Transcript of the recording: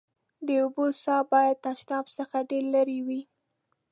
د اوبو څاه باید تشناب څخه ډېر لېري وي.